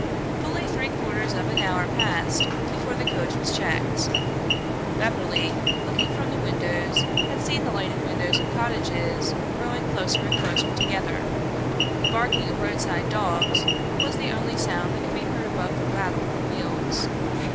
Fully three quarters of an hour passed before the coach was checked. Beverly, looking from the windows, had seem the lighted windows of cottages growing closer and closer together. The barking of roadside dogs was the only sound that could be heard above the rattle of the wheels.